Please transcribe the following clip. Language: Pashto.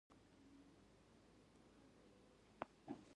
حتی مخکې تر دې چې بربریان واک ترلاسه کړي